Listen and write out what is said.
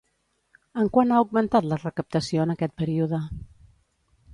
En quant ha augmentat la recaptació en aquest període?